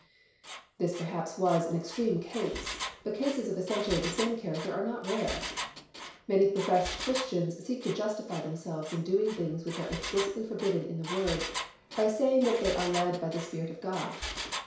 This perhaps was an extreme case, but cases of essentially the same character are not rare. Many professed Christians seek to justify themselves in doing things which are explicitly forbidden in the Word by saying that they are led by the Spirit of God.